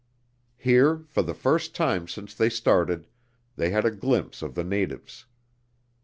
Here, for the first time since they started, they had a glimpse of the natives.